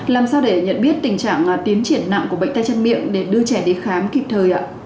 làm sao để nhận biết tình trạng tiến triển nặng của bệnh tay chân miệng để đưa trẻ đi khám kịp thời ạ